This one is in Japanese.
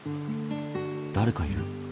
誰かいる。